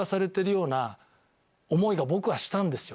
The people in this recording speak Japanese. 僕はしたんですよ